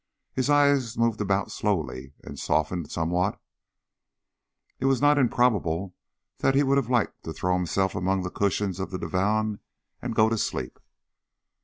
His eyes moved about slowly and softened somewhat. It is not improbable that he would have liked to throw himself among the cushions of the divan and go to sleep.